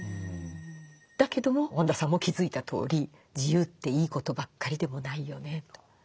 だけども本田さんも気付いたとおり自由っていいことばっかりでもないよねと。